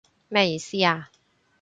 咩意思啊？